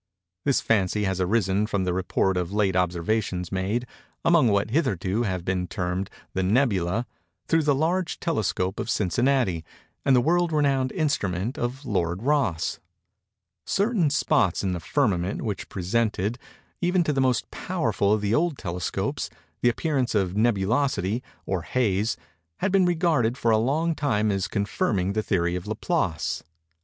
This fancy has arisen from the report of late observations made, among what hitherto have been termed the "nebulæ," through the large telescope of Cincinnati, and the world renowned instrument of Lord Rosse. Certain spots in the firmament which presented, even to the most powerful of the old telescopes, the appearance of nebulosity, or haze, had been regarded for a long time as confirming the theory of Laplace.